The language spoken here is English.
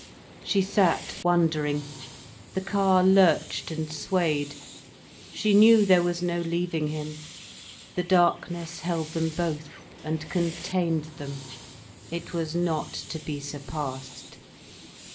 She sat wondering. The car lurched and swayed. She knew there was no leaving him, the darkness held them both and contained them, it was not to be surpassed.